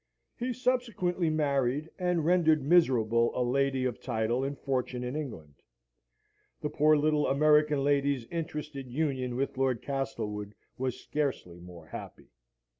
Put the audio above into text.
He subsequently married, and rendered miserable a lady of title and fortune in England. The poor little American lady's interested union with Lord Castlewood was scarcely more happy.